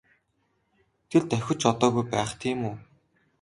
Тэр давхиж одоогүй байх тийм үү?